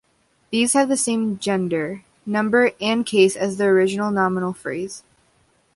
These have the same gender, number and case as the original nominal phrase.